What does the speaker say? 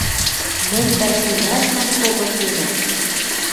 Мӹнь вӓшлимӓшнӓм со выченӓм.